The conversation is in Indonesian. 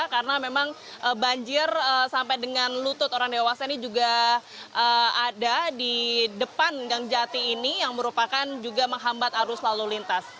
karena memang banjir sampai dengan lutut orang dewasa ini juga ada di depan gang jati ini yang merupakan juga menghambat arus lalu lintas